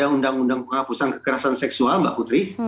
uu penghapusan kekerasan seksual mbak putri